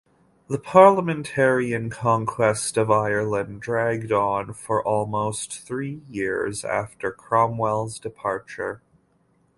The Parliamentarian conquest of Ireland dragged on for almost three years after Cromwell's departure.